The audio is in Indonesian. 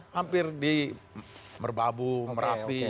hampir di merbabu merapi